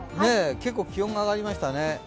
結構、気温が上がりましたね。